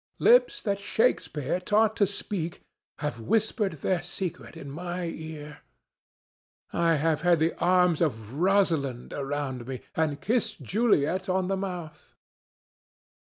Lips that Shakespeare taught to speak have whispered their secret in my ear. I have had the arms of Rosalind around me, and kissed Juliet on the mouth."